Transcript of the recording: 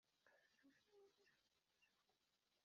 Itanga ry amafaranga rikozwe n ibyuma